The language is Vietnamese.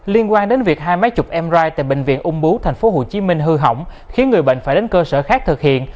liên quan đến việc hai máy chụp mri tại bệnh viện ung bú tp hcm hư hỏng khiến người bệnh phải đến cơ sở khác thực hiện